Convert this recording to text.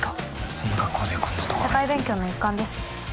そんな格好でこんなところに社会勉強の一環です